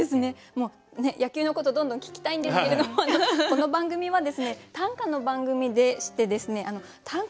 もう野球のことどんどん聞きたいんですけれどもこの番組はですね短歌の番組でしてですね短歌